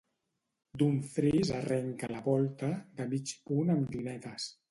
D'un fris arrenca la volta, de mig punt amb llunetes.